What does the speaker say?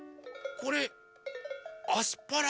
これアスパラ！